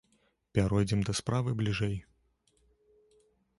Пяройдзем да справы бліжэй.